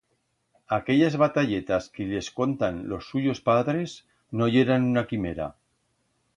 Aquellas batalletas que lis cuentan los suyos padres no yeran una quimera.